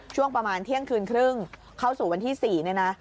ช่วงประมาณเที่ยงคืนครึ่งเข้าสู่วันที่๔เนี่ยนะ